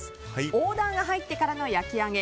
オーダーが入ってから焼き上げ。